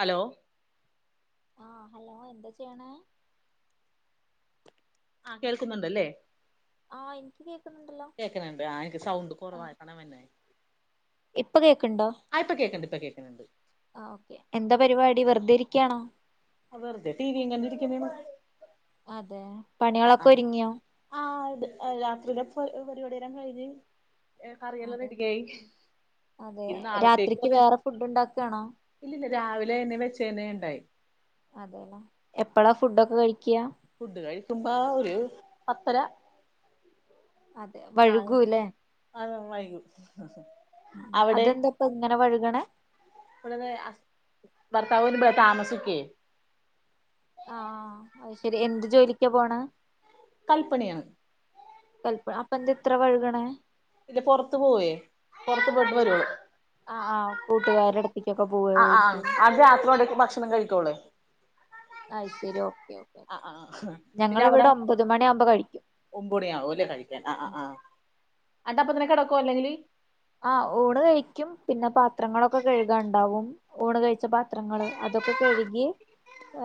Hello ആഹ hello എന്താ ചെയ്യണേ ആഹ കേൾക്കുന്നുണ്ടല്ലേ ആഹ് എനിക്ക് കേക്കുന്നുണ്ടല്ലോ കേക്കണണ്ട്. ആ എനിക്ക് സൗണ്ട് കുറവാ [unintelligible] ഇപ്പ കേൾക്കണ്ടോ ആ ഇപ്പ കേൾക്കണ്ട് ഇപ്പ കേൾക്കുന്നുണ്ട് ആ ഓക്കെ എന്താ പരിപാടി വെറുതെ ഇരിക്കണോ [unintelligible] [unintelligible] ടീവിയും കണ്ടിരിക്കുന്നെ അതെ പണികളൊക്കെ ഒരുങ്ങിയോ ആ രാത്രികത്തെ [unintelligible] പരിപാടി [unintelligible] ഏ കറിയെല്ലാം റെഡിയായി അതെ ഇനി നാളത്തേക്ക് രാത്രിക്ക് കുറച്ച് വേറെ ഫുഡ് ഉണ്ടാക്കാണോ ഇല്ല ഇല്ല രാവിലെ ന്നെ വെച്ച തന്നെ ഉണ്ടായി [unintelligible] എപ്പഴാ ഫുഡ്‌ ഒക്കെ കഴിക്ക ഫുഡ് കഴിക്കുമ്പോ ഒരു പത്തര അതെ [unintelligible] അത വൈകൂ [unintelligible] ഇങ്ങനെ വഴുകണേ [unintelligible] [inaudible] [inaudible] [inaudible] ആഹ അത് ശരി എന്ത് ജോലിക്കാ പോണ് കൽപ്പനയാണ് [unintelligible] അപ്പം ന്ത ഇത്ര വയ്ക്കണേ ഇല്ല പുറത്ത് പോവേ പുറത്ത് ബെഡ് വരുവോ ആ് ആഹ് കൂട്ടുകാരു [unintelligible] [unintelligible] ആ ആ അത് രാത്രിയോടെേക്ക് ഭക്ഷണം കഴിക്ക അ് ശരി ഓക്കെ ഓക്കെ ഓക്കേ ആഹ് ആഹ് ഞങ്ങ ഇവിടെ ഒമ്പത് മണിയ ആകുമ്പോ കഴിക്കും ഒമ്പുണിയവോല്ലേ കഴിക്കാൻ ഉം ആഹ് ആഹ് ആണ്ട് അപ്പങ്ങനെ കിടക്കെ അല്ലെങ്കില് ആഹ ഊണ് കഴിക്കും. പിന്നെ പാത്രങ്ങളൊക്കെ കഴുകാൻ ണ്ടാകും. ഊണ് കഴിച്ച പാത്രങ്ങള് അതൊക്ക കഴുകി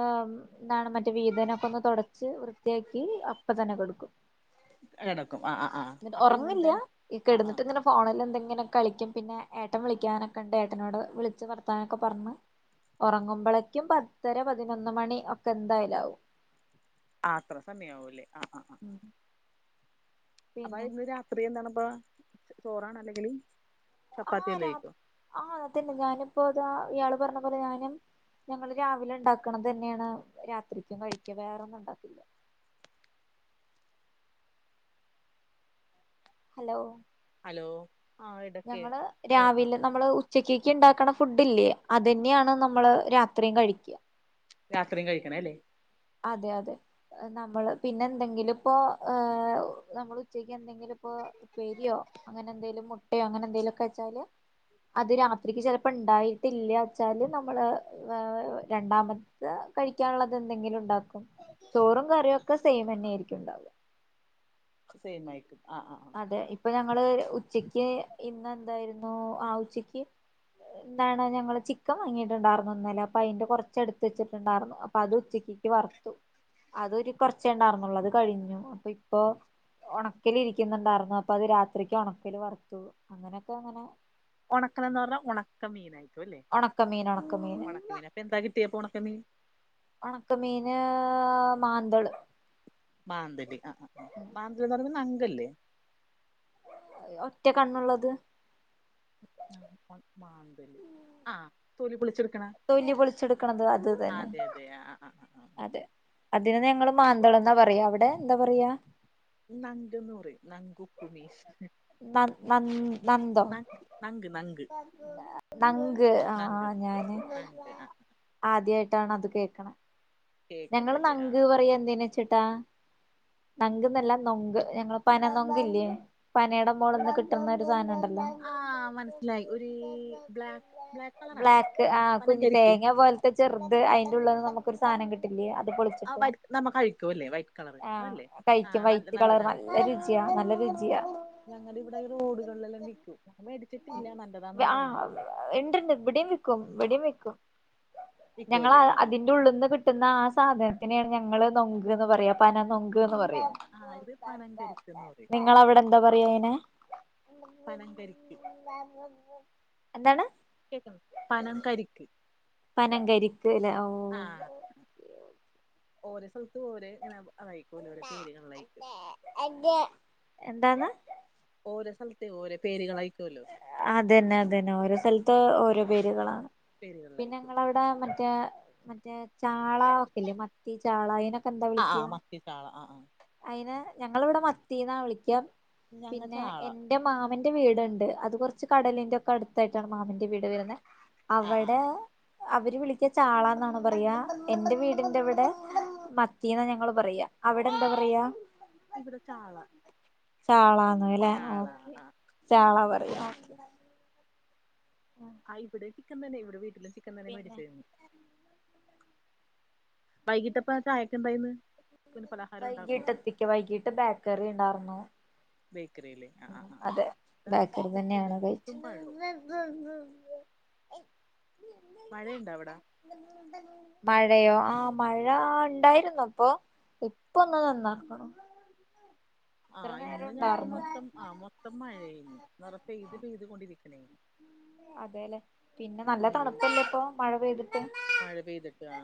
ഏഹ് മ് എന്താണ് മറ്റേ വീതനക്കൊന്ന് തൊടച്ച് വൃത്തിയാക്കി അപ്പ തന്നെ കെടക്കും എടക്കും ആഹ് ആഹ് ആഹ് അപ്പൊ ഇന്നെന്താണ് ആഹ് ആഹ് ഫോണിലെന്തെങ്കിലും കളിക്ക്യും. പിന്നെ ഏട്ടൻ വിളിക്ക്യാനൊക്കണ്ട് ഏട്ടനോട് വിളിച്ച് വർത്താനൊക്കെ പറ്ന്ന് ഒറങ്ങുമ്പളേക്ക്യും പത്തര പതിനൊന്ന് മണി ഒക്കെ എന്തായാലാവും അത്ര സമയയാവുല്ലേ ആഹ് ആഹ് ആഹ് ഉം അപ്പൊ പിന്നെ ഇന്ന് രാത്രി എന്താണപ്പൊ ച ചോറാണോ അല്ലെങ്കില് ആഹ് രാ ചപ്പാത്തിയല്ലേക്കോ ആഹ് അതന്നെ ഞാന്പ്പോ ഇതാ ഇയാള് പറ്ഞ്ഞ പോലെ ഞാനും ഞങ്ങള് രാവിലെ ഇണ്ടാക്ക്ണത്തന്നേണ് രാത്രിക്ക്യും കഴിക്കാ വേറൊന്നും ഉണ്ടാക്കില്ല ഹലോ ഹലോ ആഹ് ഇടക്ക് ഞങ്ങള് ആഹ് രാവിലെ നമ്മള് ഉ ഉച്ചക്ക്യേക്ക് ഇണ്ടാക്കണ ഫുഡ്ല്ലേ അതന്ന്യായാണ് നമ്മള് രാത്രിയും കഴിക്കാ രാത്രിം കഴിക്ക്ണേല്ലെ അതെ അതെ നമ്മള് പിന്നെ എന്തെങ്കിലുംപ്പോ നമ്മൾ ഉച്ചക്ക് എന്തെ [unintelligible] ഉപ്പേരിയോ അങ്ങനെന്തേലും മുട്ടയോ അങ്ങനെന്തേലൊക്ക വെച്ചാല് അത് രാത്രിക്ക് ചെലപ്പം ഇണ്ടായിട്ടില്ലാച്ചാല് നമ്മള് വെ വെ വെയ് രണ്ടാമത്തെ കഴിക്കാള്ളത് എന്തെങ്കിലുണ്ടാക്കും ചോറും കറിയൊക്കെ സെയിമന്നേയിരിക്കും ഇണ്ടാവാ ഒക്ക സെയിമായിരിക്കും ആഹ് ആഹ് ആഹ് തെ ഇപ്പ ഞങ്ങള് ഒര് ഉച്ചയ്ക്ക് ഇന്ന് എന്തായിരുന്നു ആഹ് ഉച്ചക്ക്യ് എന്താണ് ഞങ്ങള് ചിക്കൻ വാങ്ങിട്ടുണ്ടാരുന്നു ഇന്നലെ അപ്പൊ അയിന്റെ കൊറച്ച് എടുത്ത് വെച്ചിട്ടുണ്ടാരുന്നു അപ്പൊ അത് ഉച്ചക്ക്യേ ക്ക് വറത്തു അതൊരു കൊറച്ചേ ഇണ്ടാരുന്നുള്ളൂ അത് കഴിഞ്ഞു അപ്പം ഇപ്പൊ ഒണക്കല് ഇരി ക്കിന്നുണ്ടാരുന്നു അപ്പൊ അത് രാത്രിക്ക് ഒണക്കൽ വറത്തു അങ്ങനെയൊക്കെ അങ്ങനെ ഒണക്കലന്ന് പറഞ്ഞാ ഒണക്ക മീനായിരിക്കു അല്ലേ ഒണക്കമീൻ ഒണക്കമീൻ [unintelligible] എന്താ കിട്ടിയേ ഇപ്പ ഒണക്കമീൻ ഒണക്ക മീന് മാന്തള് മാന്തല് ആഹ് ആഹ് ആഹ് മാന്തല്ന്ന് പറയിന്നെ നങ്കല്ലേ അഹ് ഒറ്റ കണ്ണ്ള്ളത് [unintelligible] മാന്തല് ആഹ് തൊലി പൊളിച്ചെടുക്ക്ണെ തൊലി പൊളിച്ചെട് അതെ അതെ ആഹ് ആഹ് ആഹ് ആഹ് അതെ അതിന് ഇന്നാ ഞങ്ങള് മാന്തള്ന്നാ പറിയാ അവിടെ എന്താ പറിയാ നങ്ക്ന്നുറിം നങ്കുപ്പ്മീഷ് ന്ന ന്ന ന്നന്തോ നങ്ക് ന ആഹ് നങ്ക് ആഹ് ആഹ് ഞാന് ആഹ് ആദ്യായിട്ടാണ് അത് കേക്ക്ണെ ഞങ്ങള് കേക്കണല്ലേ നങ്ക് ആഹ് പറിയും എന്തിനേച്ച്ട്ടാ നങ്ക്ന്നല്ല നൊങ്ക് ഞങ്ങള് പന നൊങ്ക്ല്ലെ പനേടെ മോള്ന്ന് കിട്ട്ന്ന ഒരു സാനണ്ടല്ലോ ആഹ് മന്സ്സിലായി ഒര് ബ്ലാക്ക് ബ്ലാക്ക് കളറാണോ പനം പനം കരിക്ക് റ്റെ ചെറ്ത് അയിന്റുള്ള്ന്ന് നമ്മക്കൊര് സാനം കിട്ടില്ലേ അ ത് ആഹ് പൊളിച്ചിട്ട് വൈ നമ്മ കഴിക്കുവല്ലേ വൈറ്റ് കളറ് ആഹ് അതല്ലേ കഴിക്ക്യും ആഹ് നല്ല വൈറ്റ് കളർ ന നല്ലതാണ് ല്ല രുചിയാ നല്ല രുചിയാ ഞങ്ങള്ടെ ഇവടെ ഈ റോഡ്കള്ലെല്ലാം വിക്ക്യും ഞാന് മേടിച്ചിട്ടില്ലാ നല്ലതാന്ന് പറയ്ന്ന്ണ്ട് ആഹ് ഇണ്ടണ്ട് ഇവടിം വിക്കും ഇവടിം വിക്കും ഞങ്ങള വിക്കൂല്ലേ അഹ് ആഹ് അതിന്റെ ഉള്ള്ന്ന് കി ട്ട്ന്ന ആ സാധനത്തിനേണ് ഞങ്ങള് നൊങ്ക്ന്ന് പറിയാ പന നൊങ്ക്ന്ന് ആഹ് പറിയും ആഹ് ഇത് പനംകരിക്ക്ന്ന് പറയും നിങ്ങളവടെന്താ പറയാ അയിനെ പനം കരിക്ക് എന്താണ്? കേട്ടോ പനം കരിക്ക് പനം കരിക്ക് ല്ലേ ഓ ആഹ് ഓരോ സ്ഥലത്തും ഓരോ ഇങ്ങനെ അതായിക്കൂലേ ഓരോ പേരുകളിലായിക്കൂലോ എന്താന്ന്‌? ഓരോ സ്ഥലത്തെ ഓരോ പേരുകളായ്ക്കൂലോ അതന്നെ അതന്നെ ഓരോ സ്ഥലത്ത് ഓരോ പേരുകളാ. പിന്നെ പേരുകളിലായിക്കും ങ്ങളവ്ട് ഇതാ മറ്റേ മറ്റേ ചാള ഒക്കെല്ലേ മത്തി ചാള അയിനൊ എന്താ ആഹ് ആഹ് വിളിക്ക്യാ? മത്തി ചാള ആഹ് ആഹ് അയിനേ ഞങ്ങളിവിടെ മത്തീന്നാ വിളിക്ക്യാ ഞങ്ങ പിന്നെ ചാള എന്റെ മാമൻറെ വീട്ണ്ട് അത് കൊറച്ച് കടലിന്റെ ഒക്കെ അടുത്തായിട്ടാണ് മാമന്റെ വീട് വരുന്നേ ആഹ് അവടെ ആഹ് അവര് വിളിക്ക്യ ചാളാന്നാണ് പറയാ എൻറെ വീടിന്റെവിടെ മത്തീന്നാ ഞങ്ങള് പറയാ. അവിടെ എന്താ പറയാ? ഇവിടെ ചാള ചാളാന്ന്ല്ലേ? ഓ ചാള ആഹ് ചാള പറയാ ആഹ് ആഹ് ഇവിടെ ചിക്കൻ തന്നെ. ഇവിടെ വീട്ടിലും ചിക്കൻ തന്നെ പിന്നെ മേടിച്ചേന്ന്‌ വൈകിട്ടപ്പ ചായക്കെന്തായന്ന്? പലഹാരോണ്ടാക്ക്വോ? വൈകിട്ട് ബേക്കറി ഇണ്ടാർന്നു ബേക്കറീലേ? അതെ ബേക്കറി തന്നെയാണ് കഴിച്ച് പുട്ടും പഴവും [unintelligible] മഴേണ്ടോ അവ്ടെ? ന്തബു ന്തബു മഴയോ ആഹ് മഴ ഇണ്ടായ്രുന്നു ഇപ്പോ ഇപ്പോന്ന് നിന്നക്ക്ണു. ആഹ് ഇന്ന് ഞങ്ങക്ക് ഉണ്ടാർന്നു മൊത്തം ആഹ് മൊത്തം മഴയെര്ന്ന്. നെറെ പെയ്ത് പെയ്ത് കൊണ്ടിരിക്കണേണ് അതേല്ലേ? പിന്നെ നല്ല ഉം തണുപ്പല്ലേപ്പോ മഴ പെയ്തിട്ട്. മഴ പെയ്തിട്ട് ആ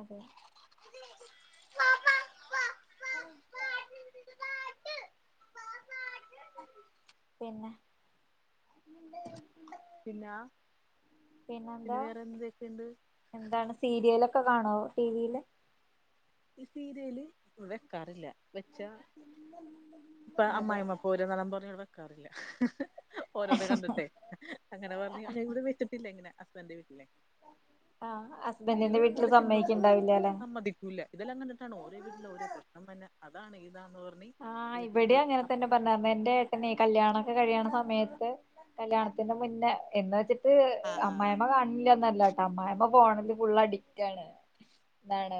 അതെ ഓക്കേ പിന്നെ പിന്ന പിന്നെ പിന്നെന്താ വേറെന്തെക്കെയ്ണ്ട്? എന്താണ് സീരിയലൊക്കെ കാണോ ടീവീല്? ഈഹ് സീരിയല് വെക്കാറില്ല. വെച്ച ഇപ്പ അതെ അമ്മായിമ്മപ്പോര് [unintelligible] ഇവടെ വെക്കാറില്ല. ഓരോന്ന് കണ്ടിട്ടെ അങ്ങനെ പറഞ്ഞ് ഞാൻ എവിടേം വെച്ചിട്ടില്ല ഇങ്ങനെ ഹസ്ബന്റെ വീട്ടിലെ ആഹ് ഹസ്ബന്റിന്റെ വീട്ടില് സമ്മയ്ക്കിണ്ടാവില്ലല്ലേ? മ്മതിക്കൂല ഇതെലാം കണ്ടിട്ടാണ് ഓരേ വീട്ടില് ഓരേ പ്രശ്നംതന്നെ. അതാണ് ഇതാന്ന് പറഞ്ഞ് ആഹ് ഇത് ഇവ്ടേം ഇവിടെ അപ്പ അങ്ങനെത്തന്നെ പറഞ്ഞേർന്ന്. സമ്മതിക്കൂല എന്റെ എന്നെ കല്യാണൊക്കെ കഴിയണ സമയത്ത് കല്യാണത്തിന്റെ മുന്നേ എന്ന് വെച്ചി ട്ട് ആ ആ ആ അമ്മായമ്മ കാണ്ന്ന്ല്യാന്നല്ലാട്ടാ. അമ്മായമ്മ ഫോണില് ഫുള്ള് അഡിക്റ്റാണ്. ന്താണ്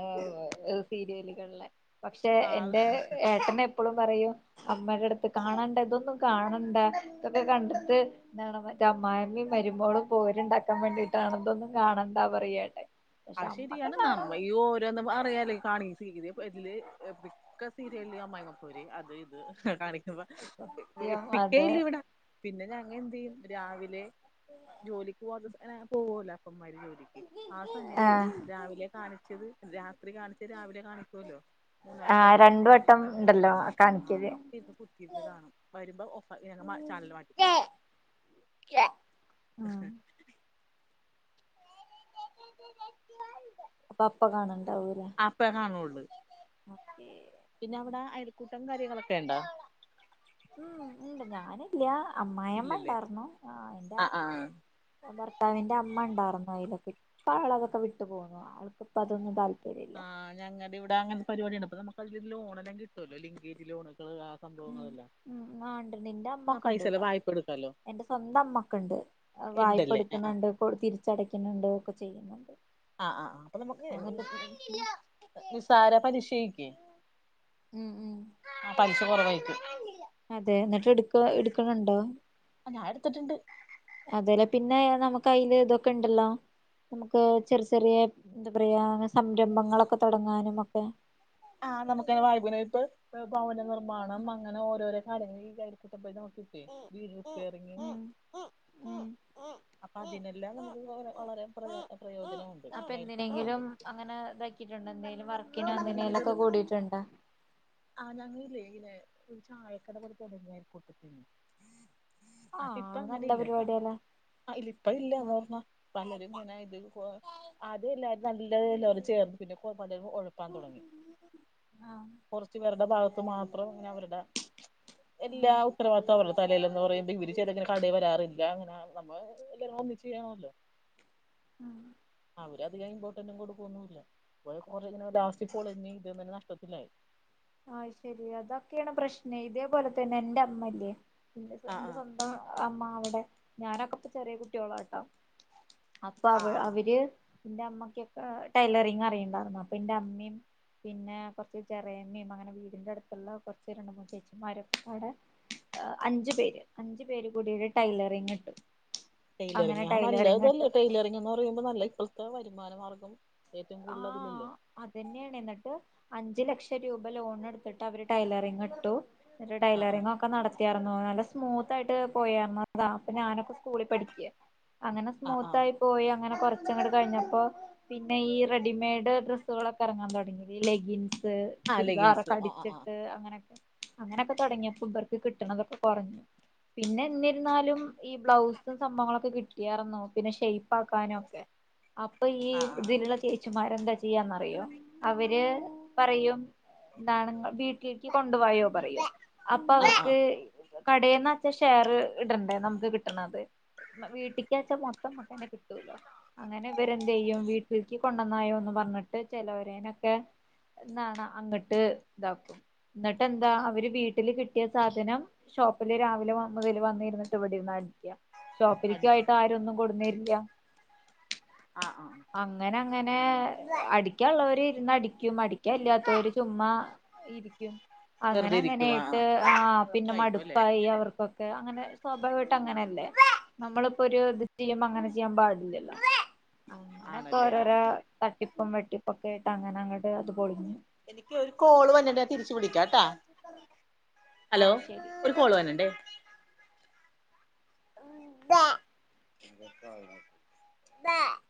സീരിയലുകള്‌ലെ പക്ഷേ ആ അത് എന്റെ ഏട്ടനെ എപ്പളും പറയും അമ്മെടെട്ത്ത് കാണണ്ട ഇതൊന്നും കാണണ്ട ഇതൊക്കെ കണ്ടിട്ട് എന്താണ്ന്ന്‌ അമ്മായമ്മിം മരുമോളും പോരുണ്ടാക്കാൻ വേണ്ടിട്ടാണതൊന്നും കാണണ്ടാ പറയും ഏട്ടൻ പക്ഷെ ആഹ് അമ്മക്കെ ശെരിയാണ്. കാണും നമ്മ ഈ ഓരോന്ന് അറിയാല ഈ കാണി സീരിയ [unintelligible] മിക്ക സീരിയല് അമ്മായിമ്മപ്പോര് അത് ഇത് കാണിക്ക്മ്പ സത്യം വെപ്പിക്കേ അതെ ഇല്ലവിടെ പിന്നെ ഞങ്ങ എന്തെയ്യും രാവിലെ ജോലിക്ക് പോവാത്തസം ങ്ങനെപോവോലൊ അപ്പംമാര് ജോലിക്ക് ആ സമയത്ത് ആഹ് രാവിലെ കാണിച്ചത് രാത്രി കാണിച്ചത് രാവിലെ കാണിക്കൂല്ലോ മൂന്നാല് ടൈമില് മഴവിൽ മനോരമ എല്ലാ കാണിക്കെല് ത്തിര്ന്ന് കുത്തിര്ന്ന് കാണും. വരുമ്പം ഓഫാ ഞങ്ങ മഹ് ചാനല് മാറ്റിക്കളയും. [inaudible] ഉം [unintelligible] അപ്പൊ പ്പ കാണണ്ടാവൂലെ അപ്പെഹാം [unintelligible] ഓക്കേ പിന്നെ അവ്ടെ അയൽക്കൂട്ടം കാര്യങ്ങളൊക്കെയുണ്ടോ? ഉം, ഉണ്ട് ഞാനില്ല്യ. അമ്മായമ്മ ഇല്ലല്ലേ ഇണ്ടാർന്നു. ആ ണ്ട ആ ആ ഭർത്താവിന്റെ അമ്മണ്ടാർന്നു അയ്ലൊക്കെ. ഇപ്പാള അതൊക്കെ വിട്ടു പോന്നു. ആൾക്ക്പ്പതൊന്നും താല്പര്യം ഇല്ല. ആഹ്, ഞങ്ങടിവ്ടെ അങ്ങനത്തെ പരിവാട്യാണ്പ്പം. നമുക്കതില് ലോണെല്ലാം കിട്ടുവല്ലോ. ലിങ്കേജ് ലോണ്കള്. ആഹ് ഉം, ഉം ആണ്ട്. ണ്ട് ഇന്റെ ആ അമ്മക്കണ്ട് പൈസെല്ലാം ട്ടാ. വായ്പ എടുക്കാലോ എന്റെ സ്വന്തം അമ്മക്കണ്ട്. ഇണ്ടല്ലേ ആഹ് വായ്പെട്ക്ക്ന്നെണ്ട്. കൊ തിരിച്ചടക്കുന്നെണ്ട്. ഒക്കെ ചെയ്യുന്നുണ്ട്. ആഹ് ആഹ് അഹ് അപ്പൊ നമുക്ക് എന്നിട്ട് [inaudible] നിസാര പരിശയ്ക്കേ ഉം ഉം ആഹ്, പല്ശ കൊറവായിരിക്കും. അതെ, ന്ന്ട്ട് ഇട്‌ക്കൊ ഇട്ക്ക്ണ്‌ണ്ടൊ? അ ഞാ എട്ത്ത്ട്ട്ണ്ട്. അതെല്ലെ, പിന്നെ നമുക്ക് അയ്ല്തൊക്കെണ്ടല്ലോ? നമുക്ക് ചെറ് ചെറിയെ എന്താ പറയാ സംരംഭങ്ങളൊക്കെ തൊടങ്ങാനും ഒക്കെ. ആഹ്, നമുക്ക് വായ്ഭ്നയ്പ്പ്, ഭവന നിർമ്മാണം അങ്ങനെ ഓരോരോ കാര്യങ്ങള് വിചാര്ച്ചിട്ടപ്പോതോക്കെ. [unintelligible] വീട് റിപ്പയറിംഗ് അപ്പ അതിനെല്ലാം നമുക്ക് വളരെ പ്രയ പ്രയോജനമുണ്ട്. അപ്പൊ ഈ അയൽക്കൂട്ടം കൊണ്ട്. എന്തിനെങ്കിലും അങ്ങനെ ഇതാക്കിയിട്ടുണ്ടോ? എന്തെലും വർ ഞങ്ങ ഈട് ആഹ്, ഞങ്ങ ഇല്ലേ ഇനെ ഒരു ചായക്കട കൂടി തുടങ്ങിയായിരി കൊട്ത്തക്കേനി. ആഹ്, പ്പ ഇപ്പ അങ്ങനെ നല്ല ഇല്ലട്ട. പരിപാടിയല്ലേ ആ ഇല്ല ഇപ്പ ഇല്ല ആഹ് [unintelligible] പലരും ഇങ്ങനെ ഇത് കൊ [unintelligible] ചേർന്ന് [unintelligible] പ്പാൻ തുടങ്ങി. ആഹ് കൊറച്ച് പേരുടെ ഭാഗത്ത് മാത്രം ഇനെ അവരുടെ എല്ലാ ആഹ് ഉത്തരവാദത്തവരത്ത തലേല്ന്ന് പറയ്മ്പം ഇവര് ചെലങ്ങനെ കടെ വരാറില്ല. അങ്ങനെ നമ്മ എ എ എഎല്ലാവരും ഒന്നിച്ച് ചെയ്യണമല്ലോ. [unintelligible] അവര് അധികം ഇമ്പോർട്ടന്റും കൊടുക്കൊന്നും ഇല്ല. ഇ [unintelligible] കൊറെ ഇങ്ങനെ ലാസ്റ്റ് പൊളിഞ്ഞ് ഇതെ മനി നഷ്ടത്തിലായി. ആയ് ശരി, അതൊക്കെയാണ് പ്രശ്നേ, ഇതേപോലെ തന്നെ എന്റെ മ്മല്ലേ ഇന്റസൊ ഇന്റെ സൊ ആഹ്, അമ്മ അവിടെ ഞാനൊക്കെ അപ്പ ചെറിയ കുട്ടിയോള ട്ടോ. അപ്പൊ അവ അവര്. ഇന്റെ അമ്മക്കൊക്കെ ടൈലറിങ് അറിയണ്ടായിരുന്നു. അപ്പൊ ഇന്റെ അമ്മിം പിന്നെ കൊറച്ച് ചെറിയ ഇന്നെ അമ്മ അങ്ങനെ വീടിന്റെടുത്തുള്ള കൊറച്ച് രണ്ടു മൂന്ന് ചേച്ചിമാരൊക്കെ പാടെ ഏ അഞ്ചു പേര്, അഞ്ചു പേരും കൂടി ഒരു ടൈലറിങ് ഇട്ടു. അങ്ങനെ ടെയിലറിങ് ആ ടൈലറിങ് നല്ലതല്ലേ, ഇട്ട് ടെയിലറിങ്ന്ന് പറയുമ്പോ നല്ല ഇപ്പോഴത്തെ വരുമാനമാർഗ്ഗം. ആഹ് അതന്നേണെ, ന്നട്ട് അഞ്ചു ലക്ഷം രൂപ ലോൺ എടുത്തിട്ട് അവര് ടൈലറിങ് ഇട്ടു. ന്നട്ട് ആ ആ ടൈലറിങ്ങ് ഒക്കെ നട ത്തി എറങ്ങോ, നല്ല സ്മൂത്ത് ആയിട്ട് പോയാമതാ. അപ്പൊ ഞാനൊക്കെ സ്കൂളിൽ പഠിക്ക്യ. അങ്ങനെ ആ ആ സ്മൂത്ത് ആയി പോയി അങ്ങനെ കൊറച്ചങ്ങട് കഴിഞ്ഞപ്പോ പിന്നെ ഈ റെഡിമെയ്ഡ് ഡ്രസ്സുകളൊക്കെ എറങ്ങാൻ തുടങ്ങി. ഈ ലെഗിൻസ് ആ ലെഗിൻസ് ചുരിദാറൊക്കെ ആ ആ ആ അടിച്ചിട്ട് അങ്ങനെ. അങ്ങനെയൊക്കെ തുടങ്ങിയപ്പോ ഇവർക്ക് കിട്ടണതൊക്കെ കൊറഞ്ഞു. പിന്നെ എന്നിരുന്നാലും ഈ ബ്ലൗസും സംഭവങ്ങളൊക്കെ കിട്ടിയാരന്നു. പിന്നെ ഷെയ്പ് ആക്കാനും ഒക്കെ. അപ്പ് ഇപ്പ ഇയ്യ് ആ ഇതിലുള്ള ചേച്ചുമാരെന്താ ചെയ്യാന്നറിയോ അവര് പറയും നാളെഈവീട്ടിലേക്ക് കൊണ്ടുവായോ പറയോ അപ്പൊ ആ ആ അവർക്ക് കടേന്ന് ഷെയർ ഇടണ്ടേ നമുക്ക് കിട്ടണത് വീട്ടക്ക്വെച്ച മൊത്തം മക്കന്നെ കിട്ടൂലോ അങ്ങനെ ഇവരെന്ത് ചെയ്യും വീട്ടിലക്ക് കൊണ്ടന്നായോ എന്ന് പറഞ്ഞിട്ട് ചിലവരേനൊക്കെ എന്താണ് അങ്ങിട്ട് ഇതാക്കും എന്നിട്ട് എന്താ അവര് വീട്ടില് കിട്ടിയ സാധനം ഷോപ്പില് രാവിലെ മുതൽ വന്നിരുന്നിട്ട്വിടിരിന്ന് അടിക്ക ഷോപ്പിലേക്ക അടിച്ചു ആയിട്ട് ആരൊന്നും കൊടുുന്നേരില്ല ആഹ് ആഹ് അ അങ്ങനെ അങ്ങനെ അടിക്കാംള്ളവര് ഇരുന്ന് അടിക്കും അടിക്കാനില്ലാത്തവര് ചുമ്മാ ഇരിക്കും അങ്ങനെ വെറുതെ ഇരിക്കും ആഹ് അങ്ങനെയായിട്ട് ആഹ് ആ പിന്നെ ഉറപ്പായിരിക്കും അല്ലേ മടുപ്പായി അവർക്കൊക്കെ അങ്ങനെ സ്വാഭാവികമായിട്ട് അങ്ങനെയല്ലേ നമ്മളിപ്പോ ഒരു ഇത് ചെയ്യുമ്പ അങ്ങനെ ചെയ്യാൻ പാടില്ലല്ലോ അങ്ങനൊക്കെ ആണല്ലേ ഓരോരോ ആഹ് ആഹ് തട്ടിപ്പും വെട്ടിപ്പും ഒക്കെ ഇട്ട് അങ്ങനെ അങ്ങോട്ട് അത് പൊളിഞ്ഞു എനിക്ക് ഒരു കോള് വന്നിട്ട്ണ്ട തിരിച്ചു വിളക്കട്ടാ ഹലോ ആ ഒരു ശരി കോൾ വന്ന്ണ്ട് [inaudible] [inaudible] [inaudible]